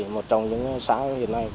một trong những xã hiện nay